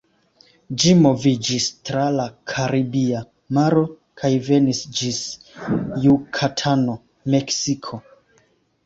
Ĝi moviĝis tra la Karibia Maro, kaj venis ĝis Jukatano, Meksiko.